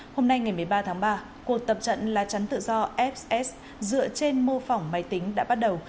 hôm nay ngày một mươi ba tháng ba cuộc tập trận lá chắn tự do fs dựa trên mô phỏng máy tính đã bắt đầu